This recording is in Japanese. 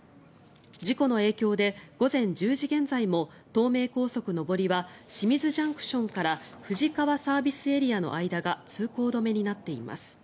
事故の影響で午前１０時現在も東名高速上りは清水ＪＣＴから富士川ＳＡの間が通行止めになっています。